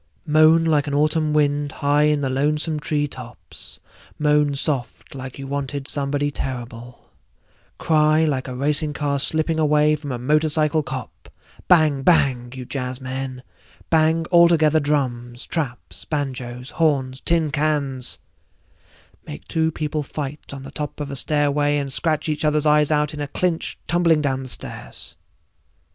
Moan like an autumn wind high in the lonesome tree tops, moan soft like you wanted somebody terrible, cry like a racing car slipping away from a motorcycle cop, bang bang! you jazzmen, bang altogether drums, traps, banjoes, horns, tin cans—make two people fight on the top of a stairway and scratch each other's eyes in a clinch tumbling down the stairs.